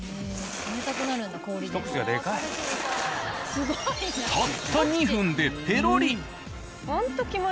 たった２分でペロリ。